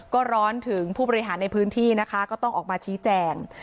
ก็ร้อนถึงผู้บริหารในพื้นที่นะคะก็ต้องออกมาชี้แจง